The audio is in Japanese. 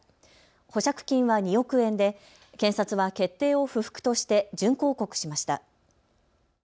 保釈金は２億円で検察は決定を不服として準抗告しました。